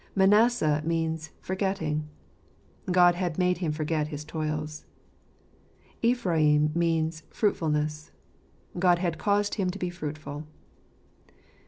Manasseh means u forgetting" — God had made him forget his toils. Ephraim means "fruitful ness" — God had caused him to be fruitful.